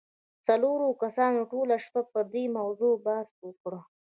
څلورو کسانو ټوله شپه پر دې موضوع بحث وکړ.